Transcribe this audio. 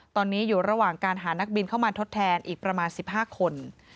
ตอนนี้อยู่ระหว่างการหานักบินเข้ามาทดแทนอีกประมาณ๑๕คน